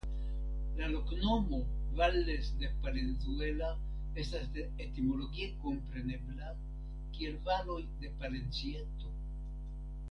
La loknomo "Valles de Palenzuela" estas etimologie komprenebla kiel "Valoj de Palencieto".